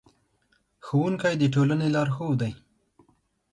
ښوونکي د ټولنې لارښود دي.